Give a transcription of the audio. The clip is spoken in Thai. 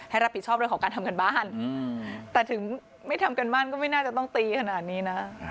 รับผิดชอบเรื่องของการทำการบ้านแต่ถึงไม่ทำการบ้านก็ไม่น่าจะต้องตีขนาดนี้นะ